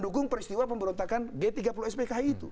dukung peristiwa pemberontakan g tiga puluh spki itu